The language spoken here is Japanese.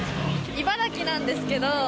茨城なんですけど。